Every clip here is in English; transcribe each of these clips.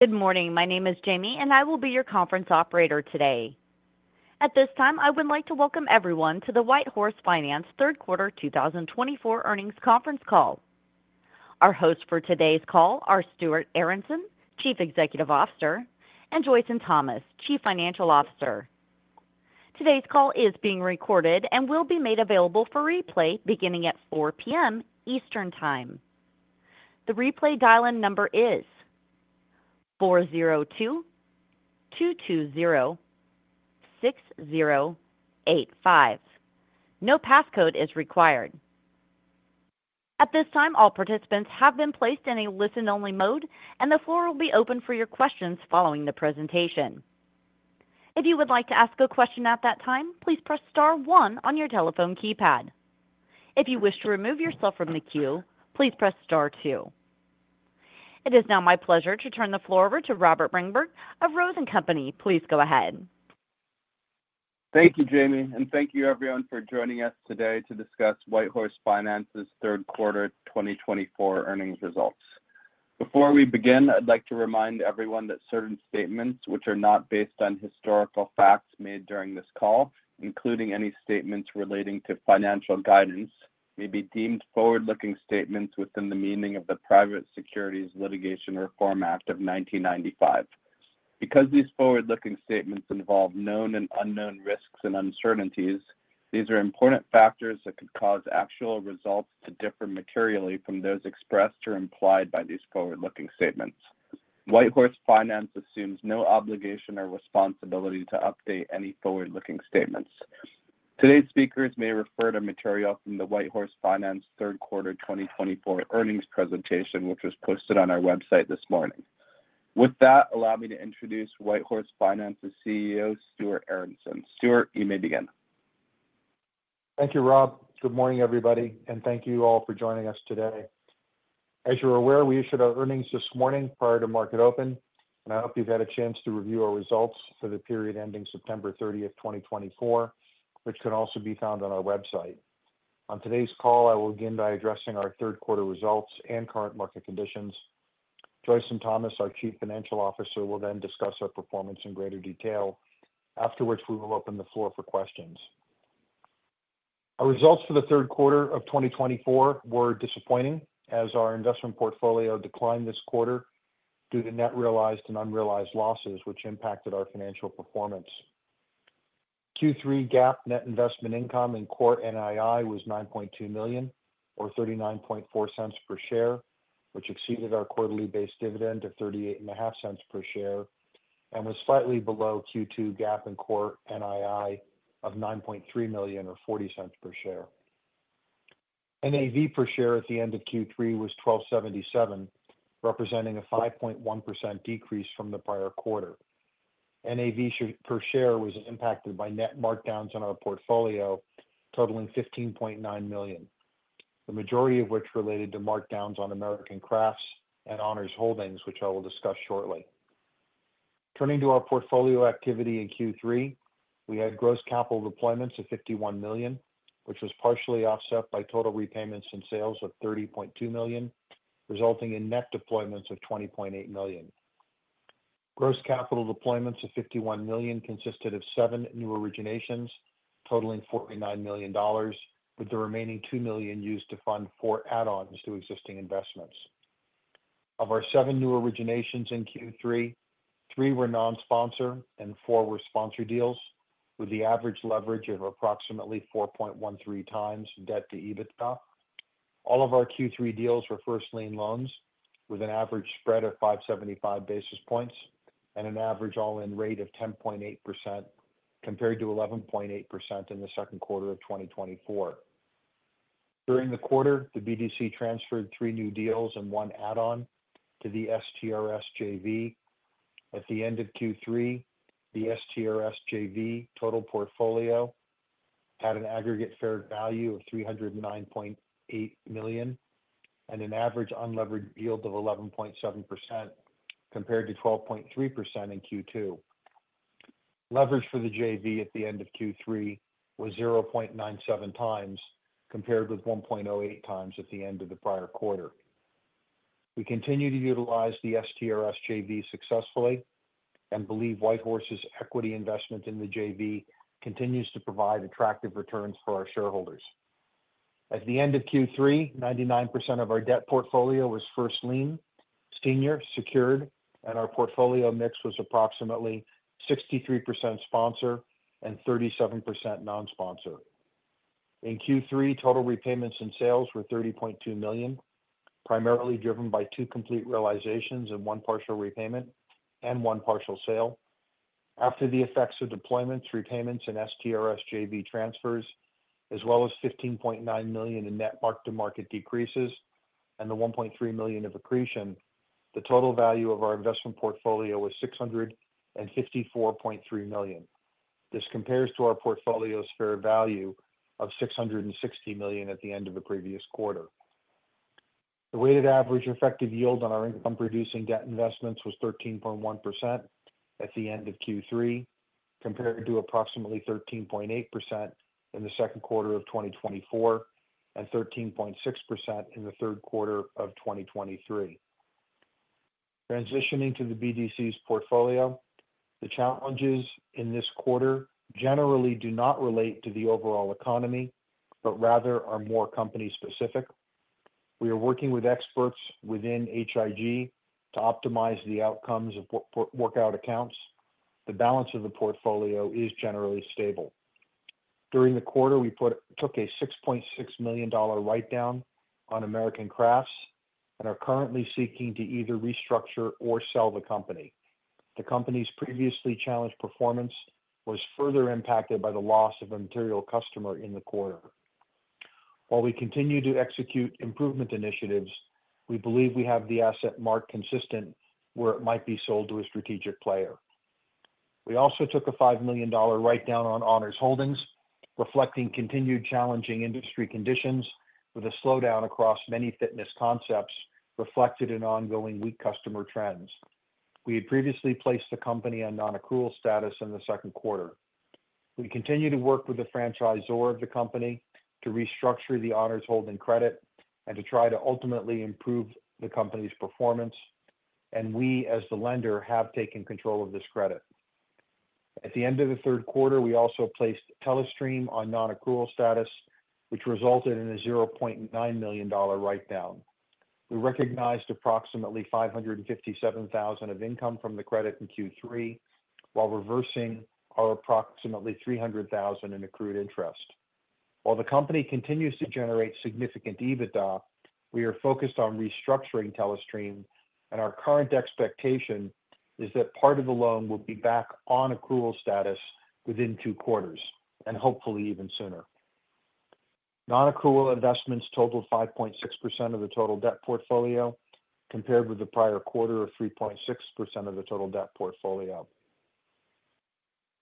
Good morning. My name is Jamie, and I will be your conference operator today. At this time, I would like to welcome everyone to the WhiteHorse Finance Third Quarter 2024 earnings conference call. Our hosts for today's call are Stuart Aronson, Chief Executive Officer, and Joyson Thomas, Chief Financial Officer. Today's call is being recorded and will be made available for replay beginning at 4:00 P.M. Eastern Time. The replay dial-in number is 402-220-6085. No passcode is required. At this time, all participants have been placed in a listen-only mode, and the floor will be open for your questions following the presentation. If you would like to ask a question at that time, please press star one on your telephone keypad. If you wish to remove yourself from the queue, please press star two. It is now my pleasure to turn the floor over to Robert Brinberg of Rose & Company. Please go ahead. Thank you, Jamie, and thank you, everyone, for joining us today to discuss WhiteHorse Finance's third quarter 2024 earnings results. Before we begin, I'd like to remind everyone that certain statements, which are not based on historical facts made during this call, including any statements relating to financial guidance, may be deemed forward-looking statements within the meaning of the Private Securities Litigation Reform Act of 1995. Because these forward-looking statements involve known and unknown risks and uncertainties, these are important factors that could cause actual results to differ materially from those expressed or implied by these forward-looking statements. WhiteHorse Finance assumes no obligation or responsibility to update any forward-looking statements. Today's speakers may refer to material from the WhiteHorse Finance third quarter 2024 earnings presentation, which was posted on our website this morning. With that, allow me to introduce WhiteHorse Finance's CEO, Stuart Aronson. Stuart, you may begin. Thank you, Rob. Good morning, everybody, and thank you all for joining us today. As you're aware, we issued our earnings this morning prior to market open, and I hope you've had a chance to review our results for the period ending September 30th, 2024, which can also be found on our website. On today's call, I will begin by addressing our third quarter results and current market conditions. Joyson Thomas, our Chief Financial Officer, will then discuss our performance in greater detail. Afterwards, we will open the floor for questions. Our results for the third quarter of 2024 were disappointing as our investment portfolio declined this quarter due to net realized and unrealized losses, which impacted our financial performance. Q3 GAAP net investment income and core NII was $9.2 million, or $0.394 per share, which exceeded our quarterly base dividend of $0.385 per share and was slightly below Q2 GAAP and core NII of $9.3 million, or $0.40 per share. NAV per share at the end of Q3 was $12.77, representing a 5.1% decrease from the prior quarter. NAV per share was impacted by net markdowns on our portfolio totaling $15.9 million, the majority of which related to markdowns on American Crafts and Honors Holdings, which I will discuss shortly. Turning to our portfolio activity in Q3, we had gross capital deployments of $51 million, which was partially offset by total repayments and sales of $30.2 million, resulting in net deployments of $20.8 million. Gross capital deployments of $51 million consisted of seven new originations totaling $49 million, with the remaining two million used to fund four add-ons to existing investments. Of our seven new originations in Q3, three were non-sponsored and four were sponsored deals, with the average leverage of approximately 4.13 times debt-to-EBITDA. All of our Q3 deals were first lien loans, with an average spread of 575 basis points and an average all-in rate of 10.8% compared to 11.8% in the second quarter of 2024. During the quarter, the BDC transferred three new deals and one add-on to the STRS JV. At the end of Q3, the STRS JV total portfolio had an aggregate fair value of $309.8 million and an average unleveraged yield of 11.7% compared to 12.3% in Q2. Leverage for the JV at the end of Q3 was 0.97 times compared with 1.08 times at the end of the prior quarter. We continue to utilize the STRS JV successfully and believe WhiteHorse's equity investment in the JV continues to provide attractive returns for our shareholders. At the end of Q3, 99% of our debt portfolio was first lien, senior, secured, and our portfolio mix was approximately 63% sponsored and 37% non-sponsored. In Q3, total repayments and sales were $30.2 million, primarily driven by two complete realizations and one partial repayment and one partial sale. After the effects of deployments, repayments, and STRS JV transfers, as well as $15.9 million in net mark-to-market decreases and the $1.3 million of accretion, the total value of our investment portfolio was $654.3 million. This compares to our portfolio's fair value of $660 million at the end of the previous quarter. The weighted average effective yield on our income-producing debt investments was 13.1% at the end of Q3, compared to approximately 13.8% in the second quarter of 2024 and 13.6% in the third quarter of 2023. Transitioning to the BDC's portfolio, the challenges in this quarter generally do not relate to the overall economy, but rather are more company-specific. We are working with experts within HIG to optimize the outcomes of workout accounts. The balance of the portfolio is generally stable. During the quarter, we took a $6.6 million write-down on American Crafts and are currently seeking to either restructure or sell the company. The company's previously challenged performance was further impacted by the loss of a material customer in the quarter. While we continue to execute improvement initiatives, we believe we have the asset market consistent where it might be sold to a strategic player. We also took a $5 million write-down on Honors Holdings, reflecting continued challenging industry conditions with a slowdown across many fitness concepts reflected in ongoing weak customer trends. We had previously placed the company on non-accrual status in the second quarter. We continue to work with the franchisor of the company to restructure the Honors Holdings credit and to try to ultimately improve the company's performance, and we, as the lender, have taken control of this credit. At the end of the third quarter, we also placed Telestream on non-accrual status, which resulted in a $0.9 million write-down. We recognized approximately 557,000 of income from the credit in Q3 while reversing our approximately 300,000 in accrued interest. While the company continues to generate significant EBITDA, we are focused on restructuring Telestream, and our current expectation is that part of the loan will be back on accrual status within two quarters and hopefully even sooner. Non-accrual investments totaled 5.6% of the total debt portfolio compared with the prior quarter of 3.6% of the total debt portfolio.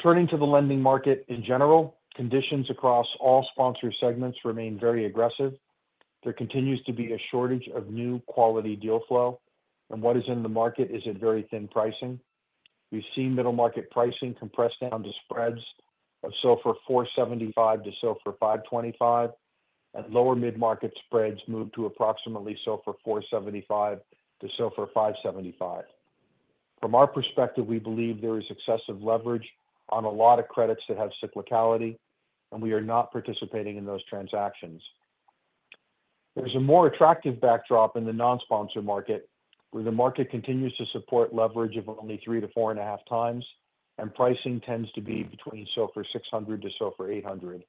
Turning to the lending market in general, conditions across all sponsored segments remain very aggressive. There continues to be a shortage of new quality deal flow, and what is in the market is at very thin pricing. We've seen middle market pricing compress down to spreads of SOFR 475-SOFR 525, and lower mid-market spreads move to approximately SOFR 475-SOFR 575. From our perspective, we believe there is excessive leverage on a lot of credits that have cyclicality, and we are not participating in those transactions. There's a more attractive backdrop in the non-sponsor market, where the market continues to support leverage of only three to four and a half times, and pricing tends to be between SOFR 600 to SOFR 800.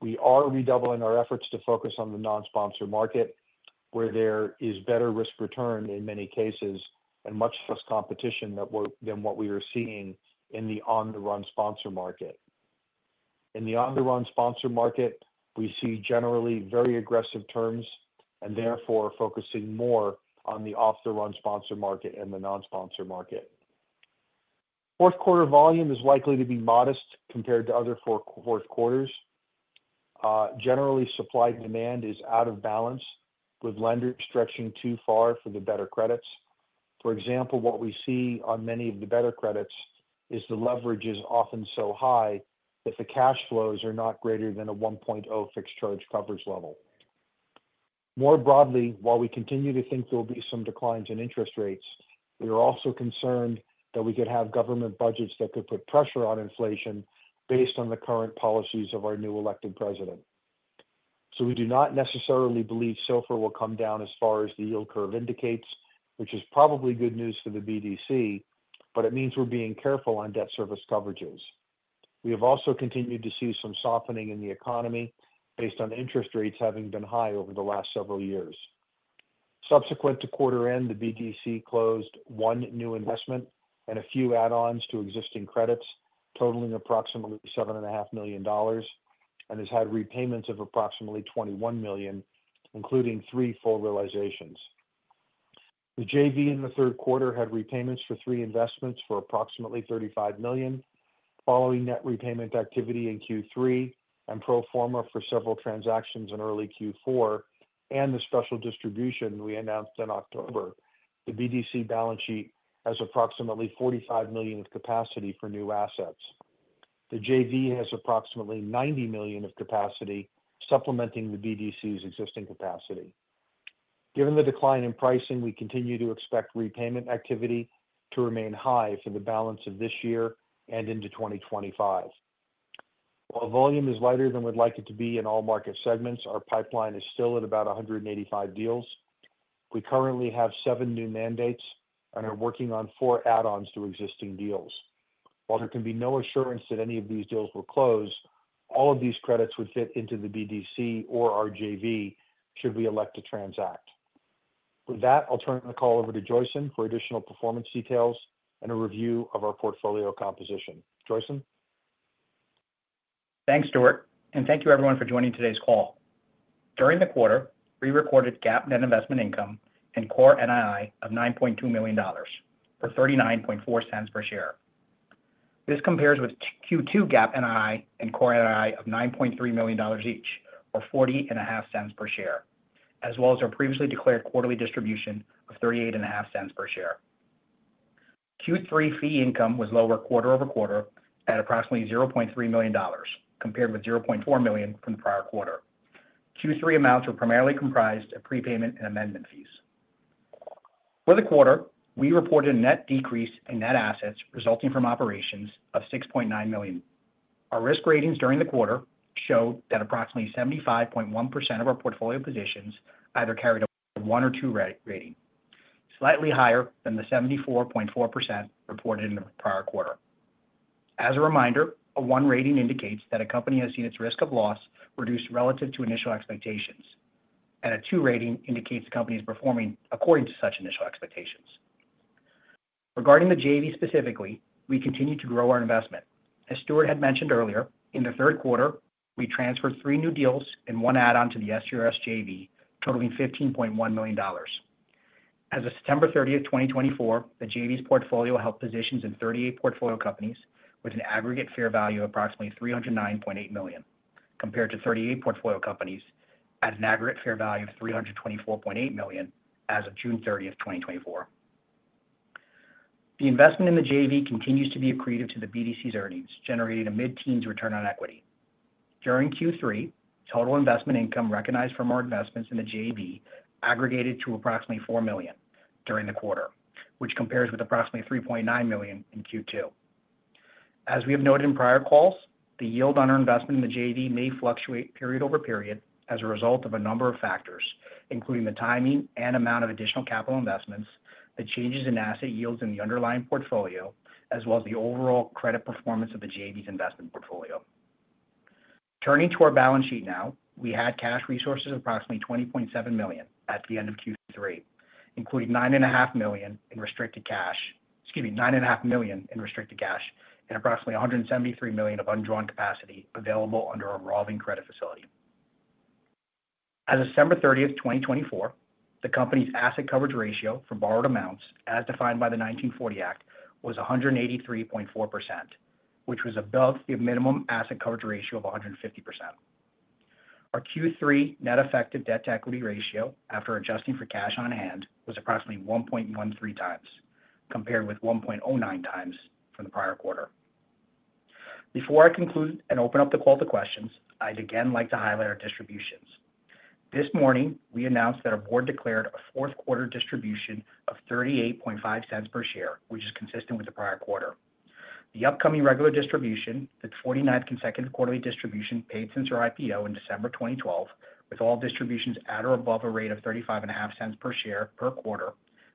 We are redoubling our efforts to focus on the non-sponsor market, where there is better risk return in many cases and much less competition than what we are seeing in the on-the-run sponsor market. In the on-the-run sponsor market, we see generally very aggressive terms and therefore focusing more on the off-the-run sponsor market and the non-sponsor market. Fourth quarter volume is likely to be modest compared to other four quarters. Generally, supply demand is out of balance, with lenders stretching too far for the better credits. For example, what we see on many of the better credits is the leverage is often so high that the cash flows are not greater than a 1.0 fixed charge coverage level. More broadly, while we continue to think there will be some declines in interest rates, we are also concerned that we could have government budgets that could put pressure on inflation based on the current policies of our newly elected president. So we do not necessarily believe SOFR will come down as far as the yield curve indicates, which is probably good news for the BDC, but it means we're being careful on debt service coverages. We have also continued to see some softening in the economy based on interest rates having been high over the last several years. Subsequent to quarter end, the BDC closed one new investment and a few add-ons to existing credits totaling approximately $7.5 million, and has had repayments of approximately $21 million, including three full realizations. The JV in the third quarter had repayments for three investments for approximately $35 million, following net repayment activity in Q3 and pro forma for several transactions in early Q4 and the special distribution we announced in October. The BDC balance sheet has approximately $45 million of capacity for new assets. The JV has approximately $90 million of capacity, supplementing the BDC's existing capacity. Given the decline in pricing, we continue to expect repayment activity to remain high for the balance of this year and into 2025. While volume is lighter than we'd like it to be in all market segments, our pipeline is still at about 185 deals. We currently have seven new mandates and are working on four add-ons to existing deals. While there can be no assurance that any of these deals will close, all of these credits would fit into the BDC or our JV should we elect to transact. With that, I'll turn the call over to Joyson for additional performance details and a review of our portfolio composition. Joyson. Thanks, Stuart, and thank you everyone for joining today's call. During the quarter, we recorded GAAP net investment income and core NII of $9.2 million for $0.394 per share. This compares with Q2 GAAP NII and core NII of $9.3 million each, or $0.405 per share, as well as our previously declared quarterly distribution of $0.385 per share. Q3 fee income was lower quarter over quarter at approximately $0.3 million compared with $0.4 million from the prior quarter. Q3 amounts were primarily comprised of prepayment and amendment fees. For the quarter, we reported a net decrease in net assets resulting from operations of $6.9 million. Our risk ratings during the quarter showed that approximately 75.1% of our portfolio positions either carried a one or two rating, slightly higher than the 74.4% reported in the prior quarter. As a reminder, a one rating indicates that a company has seen its risk of loss reduced relative to initial expectations, and a two rating indicates the company is performing according to such initial expectations. Regarding the JV specifically, we continue to grow our investment. As Stuart had mentioned earlier, in the third quarter, we transferred three new deals and one add-on to the STRS JV totaling $15.1 million. As of September 30th, 2024, the JV's portfolio held positions in 38 portfolio companies with an aggregate fair value of approximately $309.8 million, compared to 38 portfolio companies at an aggregate fair value of $324.8 million as of June 30th, 2024. The investment in the JV continues to be accretive to the BDC's earnings, generating a mid-teens return on equity. During Q3, total investment income recognized from our investments in the JV aggregated to approximately $4 million during the quarter, which compares with approximately $3.9 million in Q2. As we have noted in prior calls, the yield on our investment in the JV may fluctuate period over period as a result of a number of factors, including the timing and amount of additional capital investments, the changes in asset yields in the underlying portfolio, as well as the overall credit performance of the JV's investment portfolio. Turning to our balance sheet now, we had cash resources of approximately $20.7 million at the end of Q3, including $9.5 million in restricted cash, excuse me, $9.5 million in restricted cash, and approximately $173 million of undrawn capacity available under our revolving credit facility. As of December 30th, 2024, the company's asset coverage ratio for borrowed amounts, as defined by the 1940 Act, was 183.4%, which was above the minimum asset coverage ratio of 150%. Our Q3 net effective debt to equity ratio, after adjusting for cash on hand, was approximately 1.13 times, compared with 1.09 times from the prior quarter. Before I conclude and open up the call to questions, I'd again like to highlight our distributions. This morning, we announced that our board declared a fourth quarter distribution of $0.385 per share, which is consistent with the prior quarter. The upcoming regular distribution, the 49th consecutive quarterly distribution paid since our IPO in December 2012, with all distributions at or above a rate of $0.355 per share per quarter,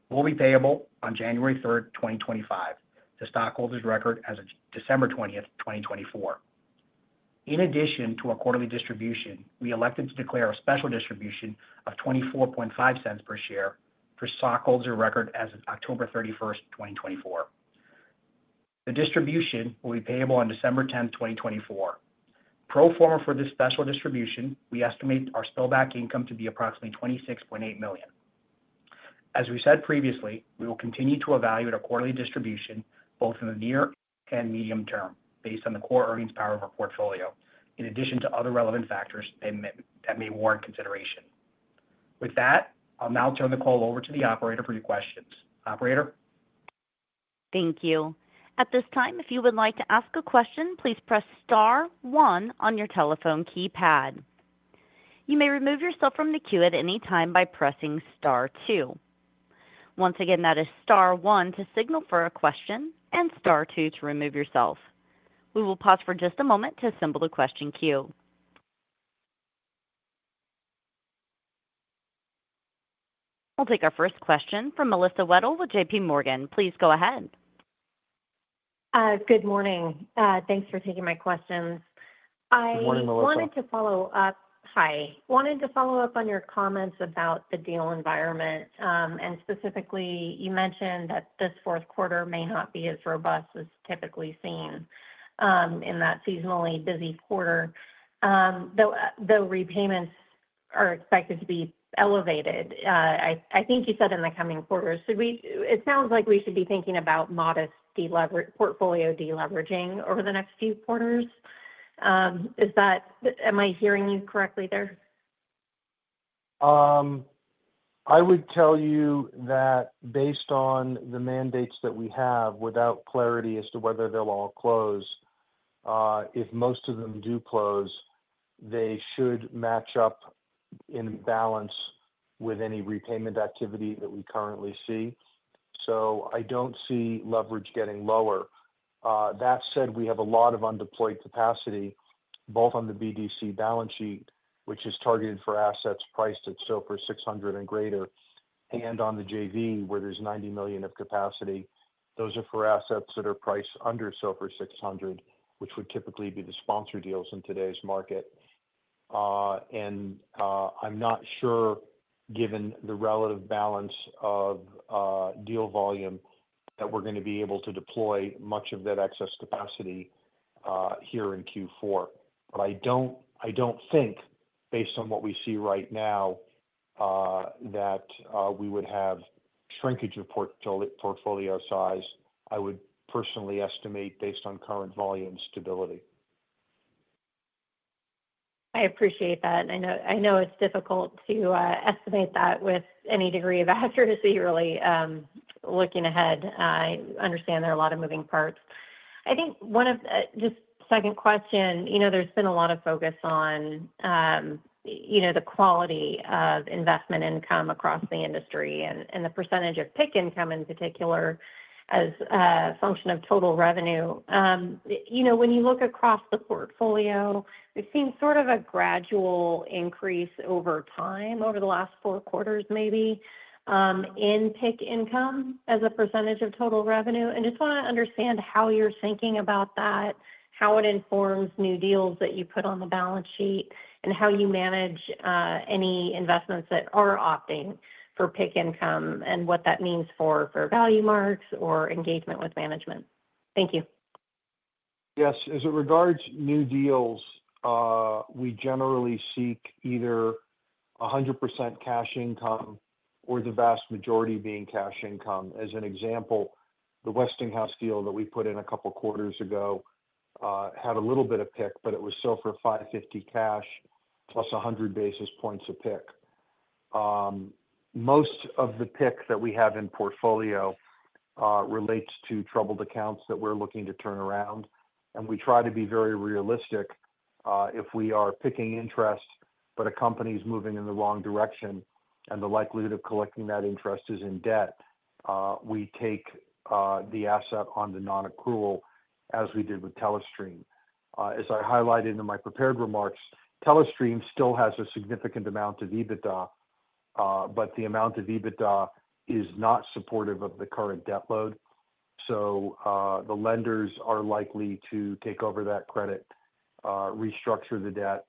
will be payable on January 3rd, 2025, to stockholders of record as of December 20th, 2024. In addition to our quarterly distribution, we elected to declare a special distribution of $0.245 per share for stockholders of record as of October 31st, 2024. The distribution will be payable on December 10th, 2024. Pro forma for this special distribution, we estimate our spillback income to be approximately $26.8 million. As we said previously, we will continue to evaluate our quarterly distribution both in the near and medium term based on the core earnings power of our portfolio, in addition to other relevant factors that may warrant consideration. With that, I'll now turn the call over to the operator for your questions. Operator. Thank you. At this time, if you would like to ask a question, please press Star 1 on your telephone keypad. You may remove yourself from the queue at any time by pressing Star 2. Once again, that is Star 1 to signal for a question and Star 2 to remove yourself. We will pause for just a moment to assemble the question queue. We'll take our first question from Melissa Wedel with JPMorgan. Please go ahead. Good morning. Thanks for taking my questions. I wanted to follow up. Good morning, Melissa. Hi. Wanted to follow up on your comments about the deal environment. And specifically, you mentioned that this fourth quarter may not be as robust as typically seen in that seasonally busy quarter. Though repayments are expected to be elevated, I think you said in the coming quarters, it sounds like we should be thinking about modest portfolio deleveraging over the next few quarters. Am I hearing you correctly there? I would tell you that based on the mandates that we have without clarity as to whether they'll all close, if most of them do close, they should match up in balance with any repayment activity that we currently see. So I don't see leverage getting lower. That said, we have a lot of undeployed capacity, both on the BDC balance sheet, which is targeted for assets priced at SOFR + 600 and greater, and on the JV, where there's $90 million of capacity. Those are for assets that are priced under SOFR + 600, which would typically be the sponsor deals in today's market. And I'm not sure, given the relative balance of deal volume, that we're going to be able to deploy much of that excess capacity here in Q4. But I don't think, based on what we see right now, that we would have shrinkage of portfolio size. I would personally estimate, based on current volume stability. I appreciate that. I know it's difficult to estimate that with any degree of accuracy, really, looking ahead. I understand there are a lot of moving parts. I think one of the just second question, there's been a lot of focus on the quality of investment income across the industry and the percentage of PIK income in particular as a function of total revenue. When you look across the portfolio, we've seen sort of a gradual increase over time over the last four quarters, maybe, in PIK income as a percentage of total revenue. And just want to understand how you're thinking about that, how it informs new deals that you put on the balance sheet, and how you manage any investments that are opting for PIK income and what that means for value marks or engagement with management. Thank you. Yes. As it regards new deals, we generally seek either 100% cash income or the vast majority being cash income. As an example, the Westinghouse deal that we put in a couple of quarters ago had a little bit of PIK, but it was SOFR + 550 cash plus 100 basis points of pick. Most of the pick that we have in portfolio relates to troubled accounts that we're looking to turn around, and we try to be very realistic if we are picking interest, but a company is moving in the wrong direction and the likelihood of collecting that interest is in doubt, we take the asset on the non-accrual as we did with Telestream. As I highlighted in my prepared remarks, Telestream still has a significant amount of EBITDA, but the amount of EBITDA is not supportive of the current debt load. The lenders are likely to take over that credit, restructure the debt,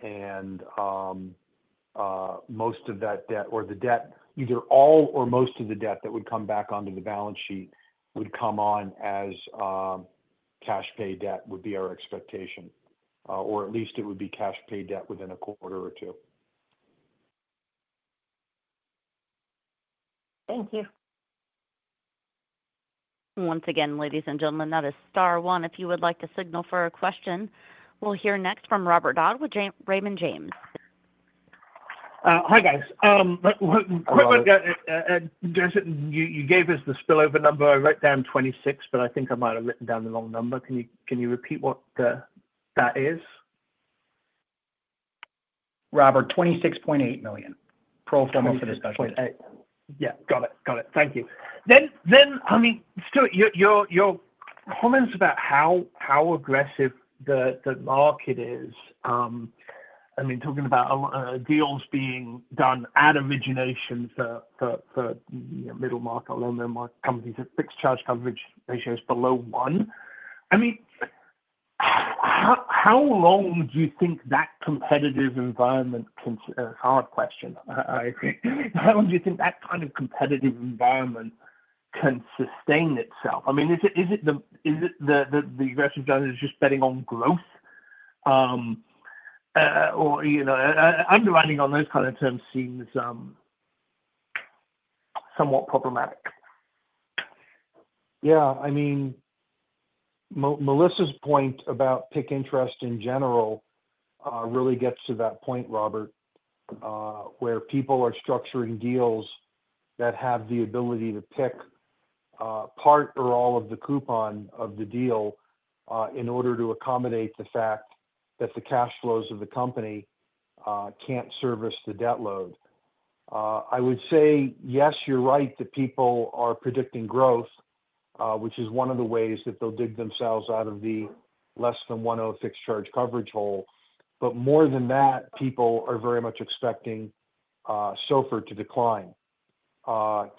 and most of that debt or the debt, either all or most of the debt that would come back onto the balance sheet would come on as cash pay debt, would be our expectation, or at least it would be cash pay debt within a quarter or two. Thank you. Once again, ladies and gentlemen, that is Star 1. If you would like to signal for a question, we'll hear next from Robert Dodd with Raymond James. Hi, guys. You gave us the spillover number. I wrote down 26, but I think I might have written down the wrong number. Can you repeat what that is? Robert, $26.8 million. Pro forma for the special. Yeah. Got it. Got it. Thank you. Then, I mean, Stuart, your comments about how aggressive the market is, I mean, talking about deals being done at origination for middle market or low middle market companies at fixed charge coverage ratios below one. I mean, how long do you think that competitive environment can, hard question, I think, how long do you think that kind of competitive environment can sustain itself? I mean, is it the aggressive lenders just betting on growth or underwriting on those kind of terms seems somewhat problematic? Yeah. I mean, Melissa's point about PIK interest in general really gets to that point, Robert, where people are structuring deals that have the ability to PIK part or all of the coupon of the deal in order to accommodate the fact that the cash flows of the company can't service the debt load. I would say, yes, you're right that people are predicting growth, which is one of the ways that they'll dig themselves out of the less than 1.0 fixed charge coverage hole. But more than that, people are very much expecting SOFR to decline.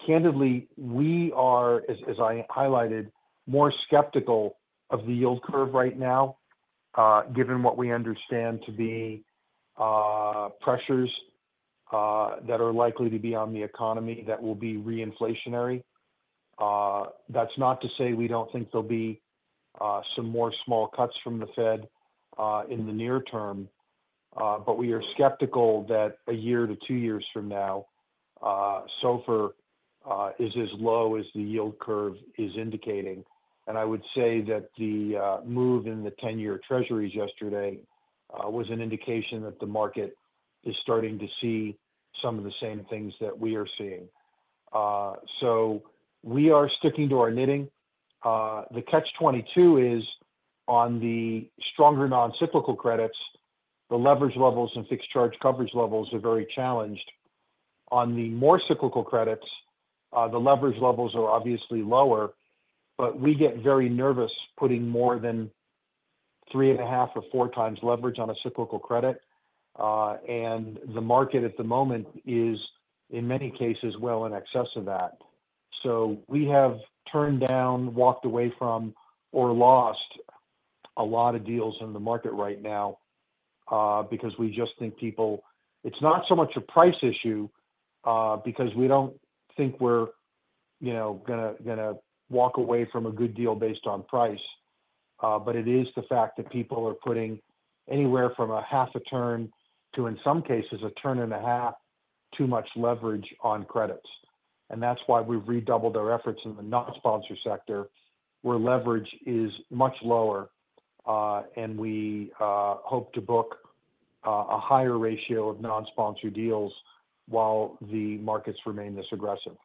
Candidly, we are, as I highlighted, more skeptical of the yield curve right now, given what we understand to be pressures that are likely to be on the economy that will be reinflationary. That's not to say we don't think there'll be some more small cuts from the Fed in the near term, but we are skeptical that a year to two years from now, SOFR is as low as the yield curve is indicating. And I would say that the move in the 10-Year Treasuries yesterday was an indication that the market is starting to see some of the same things that we are seeing. So we are sticking to our knitting. The catch-22 is on the stronger non-cyclical credits, the leverage levels and fixed charge coverage levels are very challenged. On the more cyclical credits, the leverage levels are obviously lower, but we get very nervous putting more than three and a half or four times leverage on a cyclical credit. And the market at the moment is, in many cases, well in excess of that. So we have turned down, walked away from, or lost a lot of deals in the market right now because we just think people, it's not so much a price issue because we don't think we're going to walk away from a good deal based on price, but it is the fact that people are putting anywhere from a half a turn to, in some cases, a turn and a half too much leverage on credits. And that's why we've redoubled our efforts in the non-sponsor sector, where leverage is much lower, and we hope to book a higher ratio of non-sponsor deals while the markets remain this aggressive.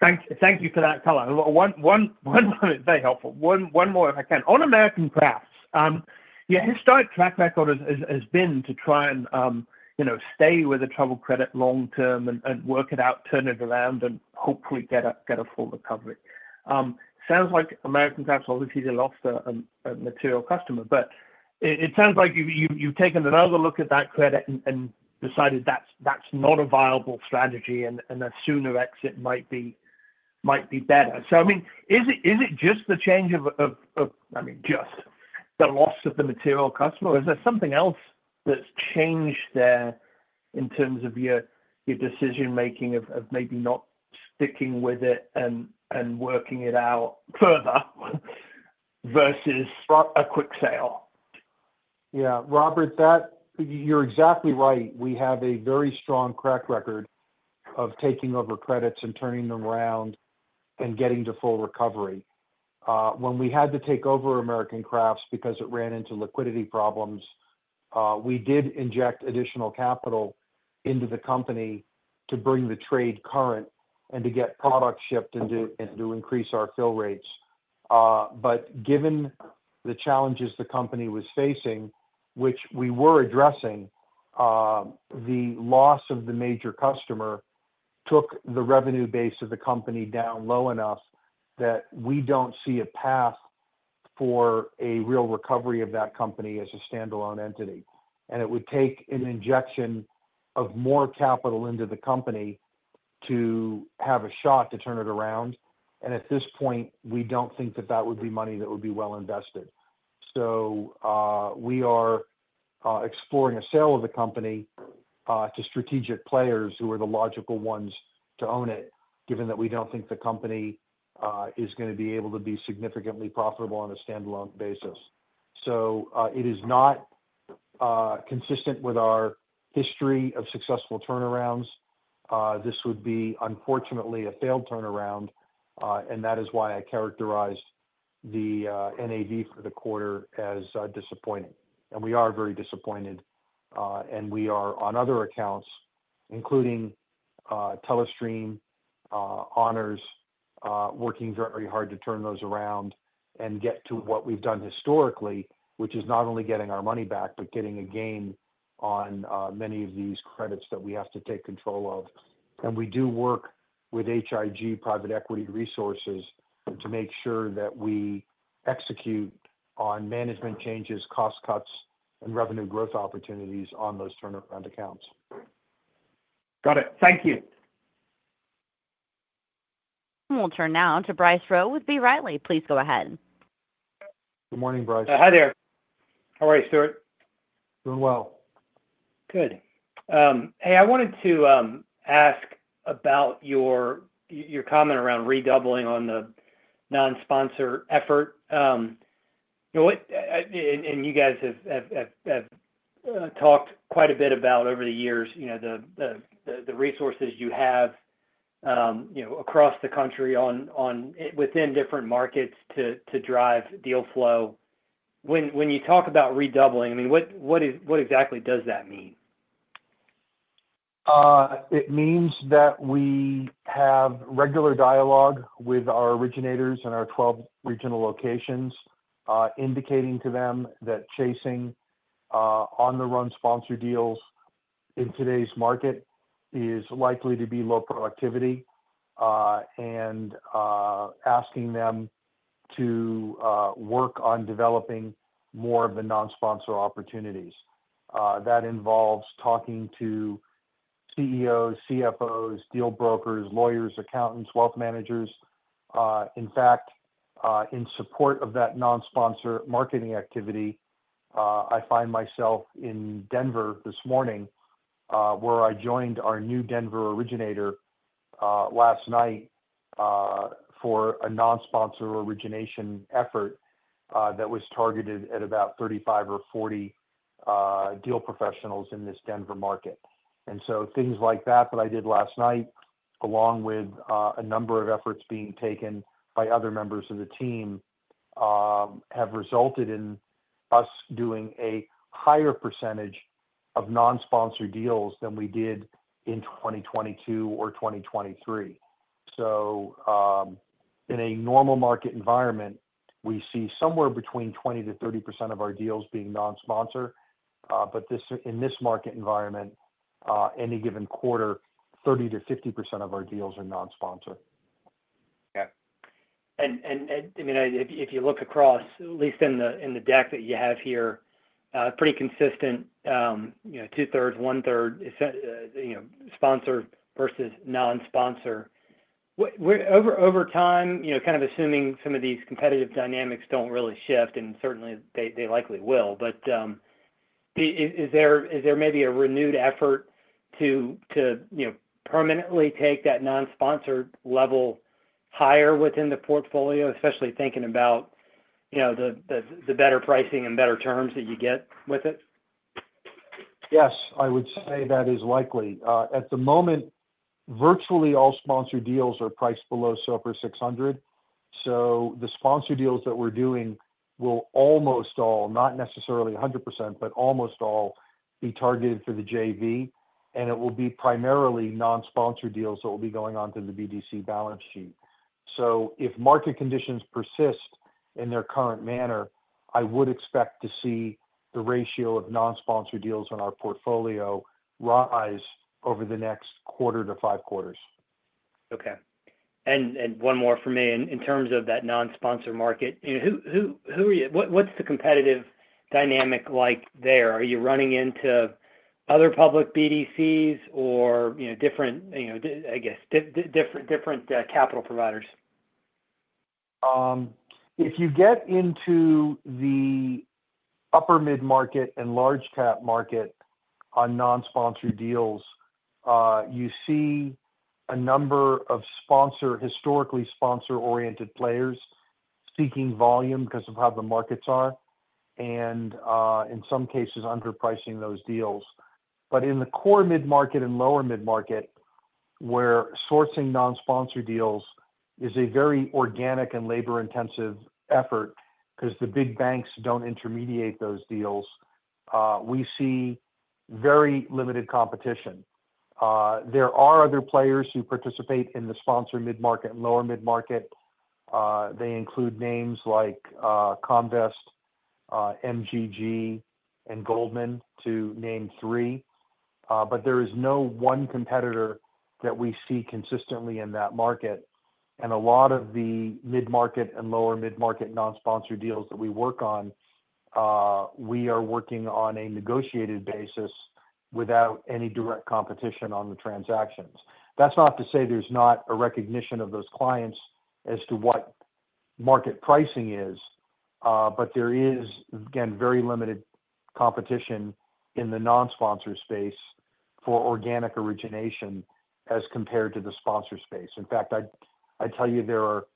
Thank you for that, Colour. That's very helpful. One more, if I can. On American Crafts, your historic track record has been to try and stay with a troubled credit long term and work it out, turn it around, and hopefully get a full recovery. Sounds like American Crafts obviously lost a material customer, but it sounds like you've taken another look at that credit and decided that's not a viable strategy, and a sooner exit might be better. So, I mean, is it just the change of—I mean, just the loss of the material customer? Is there something else that's changed there in terms of your decision-making of maybe not sticking with it and working it out further versus a quick sale? Yeah. Robert, you're exactly right. We have a very strong track record of taking over credits and turning them around and getting to full recovery. When we had to take over American Crafts because it ran into liquidity problems, we did inject additional capital into the company to bring the trade current and to get product shipped and to increase our fill rates. But given the challenges the company was facing, which we were addressing, the loss of the major customer took the revenue base of the company down low enough that we don't see a path for a real recovery of that company as a standalone entity. And it would take an injection of more capital into the company to have a shot to turn it around. And at this point, we don't think that that would be money that would be well invested. So we are exploring a sale of the company to strategic players who are the logical ones to own it, given that we don't think the company is going to be able to be significantly profitable on a standalone basis. So it is not consistent with our history of successful turnarounds. This would be, unfortunately, a failed turnaround, and that is why I characterized the NAV for the quarter as disappointing. And we are very disappointed, and we are, on other accounts, including Telestream, Honors, working very hard to turn those around and get to what we've done historically, which is not only getting our money back, but getting a gain on many of these credits that we have to take control of. We do work with HIG private equity resources to make sure that we execute on management changes, cost cuts, and revenue growth opportunities on those turnaround accounts. Got it. Thank you. We'll turn now to Bryce Rowe with B. Riley. Please go ahead. Good morning, Bryce. Hi there. All right, Stuart. Doing well. Good. Hey, I wanted to ask about your comment around redoubling on the non-sponsor effort. And you guys have talked quite a bit about, over the years, the resources you have across the country within different markets to drive deal flow. When you talk about redoubling, I mean, what exactly does that mean? It means that we have regular dialogue with our originators in our 12 regional locations, indicating to them that chasing on-the-run sponsor deals in today's market is likely to be low productivity and asking them to work on developing more of the non-sponsor opportunities. That involves talking to CEOs, CFOs, deal brokers, lawyers, accountants, wealth managers. In fact, in support of that non-sponsor marketing activity, I find myself in Denver this morning where I joined our new Denver originator last night for a non-sponsor origination effort that was targeted at about 35 or 40 deal professionals in this Denver market. And so things like that that I did last night, along with a number of efforts being taken by other members of the team, have resulted in us doing a higher percentage of non-sponsor deals than we did in 2022 or 2023. So in a normal market environment, we see somewhere between 20%-30% of our deals being non-sponsored. But in this market environment, any given quarter, 30%-50% of our deals are non-sponsored. Yeah. And I mean, if you look across, at least in the deck that you have here, pretty consistent, two-thirds, one-third sponsor versus non-sponsor. Over time, kind of assuming some of these competitive dynamics don't really shift, and certainly they likely will, but is there maybe a renewed effort to permanently take that non-sponsor level higher within the portfolio, especially thinking about the better pricing and better terms that you get with it? Yes. I would say that is likely. At the moment, virtually all sponsor deals are priced below SOFR 600. So the sponsor deals that we're doing will almost all, not necessarily 100%, but almost all be targeted for the JV, and it will be primarily non-sponsor deals that will be going onto the BDC balance sheet. So if market conditions persist in their current manner, I would expect to see the ratio of non-sponsor deals on our portfolio rise over the next quarter to five quarters. Okay. And one more for me. In terms of that non-sponsor market, what's the competitive dynamic like there? Are you running into other public BDCs or different, I guess, different capital providers? If you get into the upper mid-market and large cap market on non-sponsor deals, you see a number of historically sponsor-oriented players seeking volume because of how the markets are and, in some cases, underpricing those deals, but in the core mid-market and lower mid-market, where sourcing non-sponsor deals is a very organic and labor-intensive effort because the big banks don't intermediate those deals, we see very limited competition. There are other players who participate in the sponsor mid-market and lower mid-market. They include names like Comvest, MGG, and Goldman to name three, but there is no one competitor that we see consistently in that market, and a lot of the mid-market and lower mid-market non-sponsor deals that we work on, we are working on a negotiated basis without any direct competition on the transactions. That's not to say there's not a recognition of those clients as to what market pricing is, but there is, again, very limited competition in the non-sponsor space for organic origination as compared to the sponsor space. In fact, I tell you, there are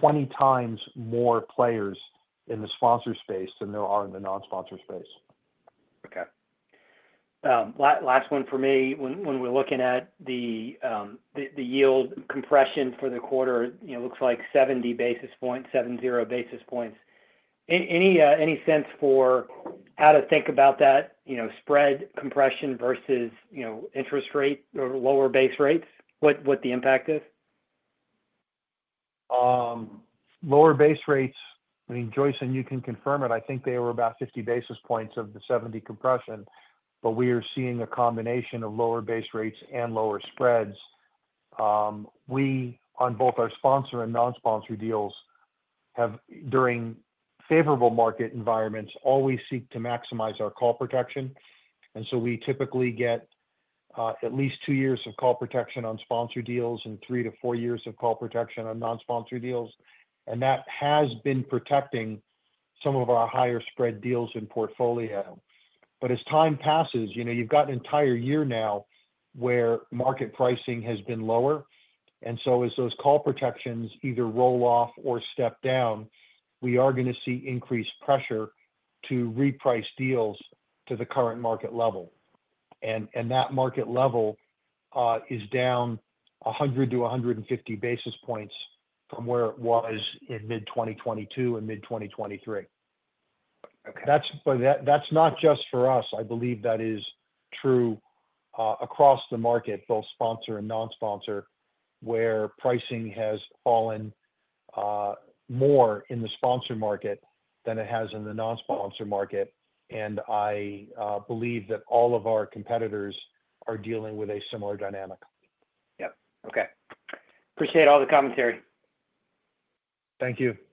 20 times more players in the sponsor space than there are in the non-sponsor space. Okay. Last one for me. When we're looking at the yield compression for the quarter, it looks like 70 basis points, 70 basis points. Any sense for how to think about that spread compression versus interest rate or lower base rates, what the impact is? Lower base rates, I mean, Joyson, and you can confirm it. I think they were about 50 basis points of the 70 compression, but we are seeing a combination of lower base rates and lower spreads. We, on both our sponsor and non-sponsor deals, have during favorable market environments, always seek to maximize our call protection. And so we typically get at least two years of call protection on sponsor deals and three to four years of call protection on non-sponsor deals. And that has been protecting some of our higher spread deals in portfolio. But as time passes, you've got an entire year now where market pricing has been lower. And so as those call protections either roll off or step down, we are going to see increased pressure to reprice deals to the current market level. And that market level is down 100-150 basis points from where it was in mid-2022 and mid-2023. That's not just for us. I believe that is true across the market, both sponsor and non-sponsor, where pricing has fallen more in the sponsor market than it has in the non-sponsor market. And I believe that all of our competitors are dealing with a similar dynamic. Yep. Okay. Appreciate all the commentary. Thank you.